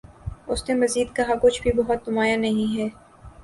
اس نے مزید کہا کچھ بھِی بہت نُمایاں نہیں ہے